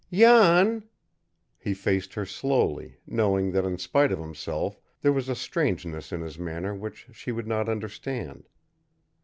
"Jan!" He faced her slowly, knowing that in spite of himself there was a strangeness in his manner which she would not understand.